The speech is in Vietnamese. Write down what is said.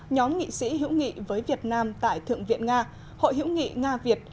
nhóm nghị sĩ hữu nghị với việt nam tại thượng viện nga hội hữu nghị nga việt